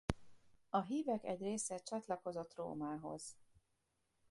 A hívek egy része csatlakozott Rómához.